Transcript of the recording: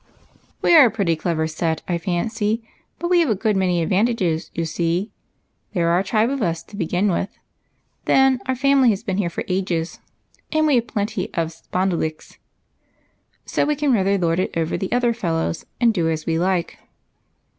" We are a pretty clever set, I fancy ; but we have a PHEBE'S SECRET. 103 good many advantages, you see. There are a tribe of us, to begin with ; then our family has been here for ages, and we have j^lenty of ' sj)ondulics,' so we can rather lord^t over the other fellows and do as we like.